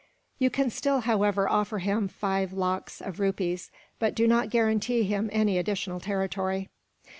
You can still, however, offer him five lakhs of rupees; but do not guarantee him any additional territory.